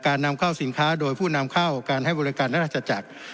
นำเข้าสินค้าโดยผู้นำเข้าการให้บริการราชจักร